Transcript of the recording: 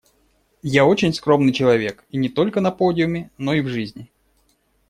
Я очень скромный человек, и не только на подиуме, но и в жизни.